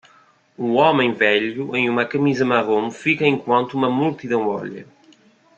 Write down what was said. Um homem velho em uma camisa marrom fica enquanto uma multidão olha